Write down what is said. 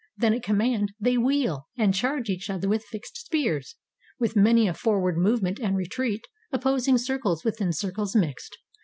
Then at command They wheel, and charge each other with fixed spears. With many a forward movement and retreat Opposing, circles within circles mixed.